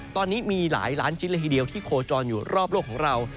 ตอนนี้มีหลายล้านชิ้นละทีเดียวที่โคจรอยู่รอบโลกของเรา